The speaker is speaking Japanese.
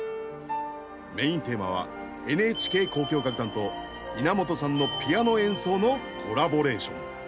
メインテーマはＮＨＫ交響楽団と稲本さんのピアノ演奏のコラボレーション。